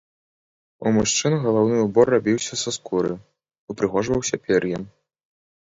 У мужчын галаўны ўбор рабіўся са скуры, упрыгожваўся пер'ем.